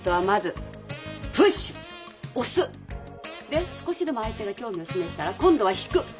で少しでも相手が興味を示したら今度は引く。